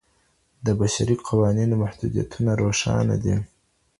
د بشري قوانینو محدودیتونه روښانه دي.